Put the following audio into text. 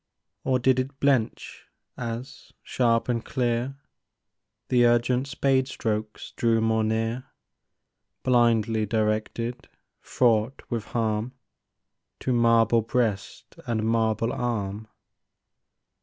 Or did it blench as, sharp and clear, The urgent spade strokes drew more near, Blindly directed, fraught with harm To marble breast and marble arm?